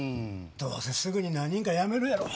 どうせすぐに何人かやめるやろ。